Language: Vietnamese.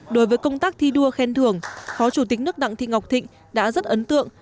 đối với công tác thi đua khen thưởng phó chủ tịch nước đặng thị ngọc thịnh đã rất ấn tượng